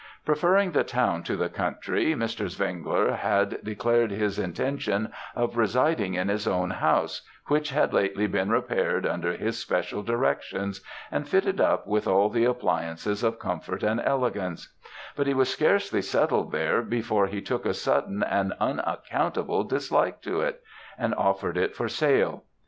"Preferring the town to the country, Mr. Zwengler had declared his intention of residing in his own house, which had lately been repaired under his special directions, and fitted up with all the appliances of comfort and elegance; but he was scarcely settled there before he took a sudden and unaccountable dislike to it, and offered it for sale.